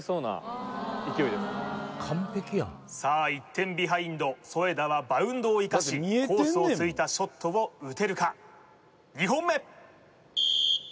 １点ビハインド添田はバウンドを生かしコースをついたショットを打てるか？